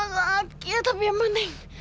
sakit tapi yang penting